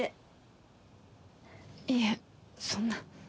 いえそんな。